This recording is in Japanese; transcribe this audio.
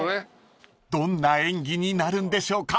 ［どんな演技になるんでしょうか？］